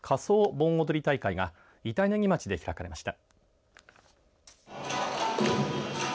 盆踊り大会が板柳町で開かれました。